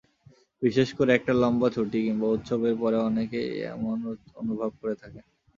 বিশেষ করে একটা লম্বা ছুটি কিংবা উৎসবের পরে অনেকেই এমন অনুভব করে থাকেন।